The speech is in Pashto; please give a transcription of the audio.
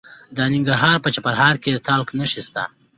د ننګرهار په چپرهار کې د تالک نښې شته.